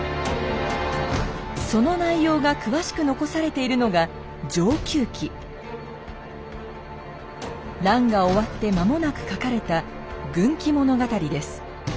その内容が詳しく残されているのが乱が終わって間もなく書かれた軍記物語です。